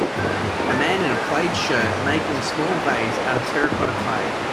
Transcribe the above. A man in a plaid shirt, making a small vase out of terracotta clay.